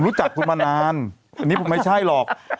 รู้จักคุณมานานอันนี้ผมไม่ใช่หรอก